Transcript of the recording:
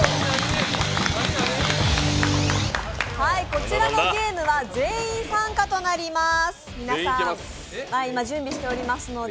こちらのゲームは全員参加となります。